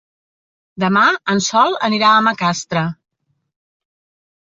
Demà en Sol anirà a Macastre.